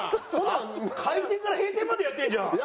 開店から閉店までやってんじゃん！